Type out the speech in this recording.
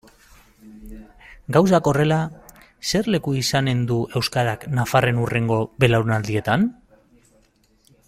Gauzak horrela, zer leku izanen du euskarak nafarren hurrengo belaunaldietan?